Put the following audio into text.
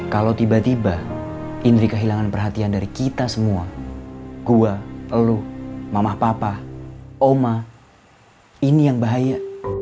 kalau tiba tiba indri kehilangan perhatian dari kita semua gua peluh mamah papa oma ini yang bahaya